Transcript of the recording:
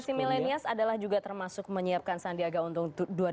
aspirasi millennials adalah juga termasuk menyiapkan sandi agak untung dua ribu dua puluh empat